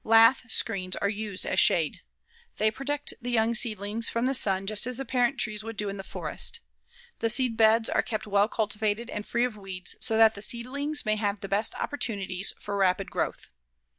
Lath screens are used as shade. They protect the young seedlings from the sun just as the parent trees would do in the forest. The seedbeds are kept well cultivated and free of weeds so that the seedlings may have the best opportunities for rapid growth.